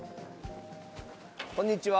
こんにちは。